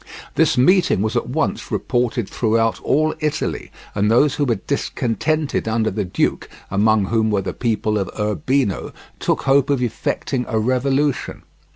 This meeting was at once reported throughout all Italy, and those who were discontented under the duke, among whom were the people of Urbino, took hope of effecting a revolution.